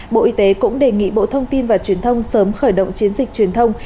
bộ y tế cũng đề nghị bộ thông tin và truyền thông sớm khởi động chiến dịch truyền thông